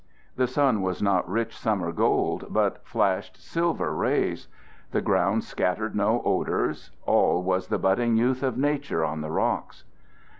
The sun was not rich summer gold but flashed silver rays. The ground scattered no odors; all was the budding youth of Nature on the rocks.